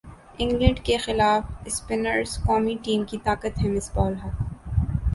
England کیخلاف spinners قومی team کی طاقت ہیں مصباح الحق